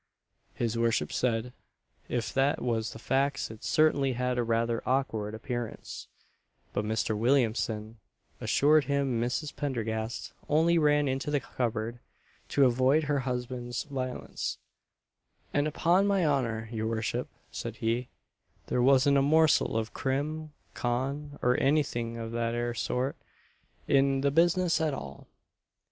His worship said if that was the facts it certainly had a rather awkward appearance; but Mr. Williamson assured him Mrs. Pendergast only ran into the cupboard to avoid her husband's violence "And upon my honour, your worship," said he, "there wasn't a morsel of Crim. Con., or anything of that 'ere sort, in the business at all."